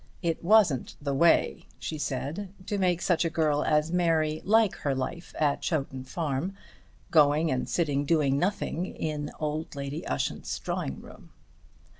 It wasn't the way, she said, to make such a girl as Mary like her life at Chowton Farm, going and sitting and doing nothing in old Lady Ushant's drawing room.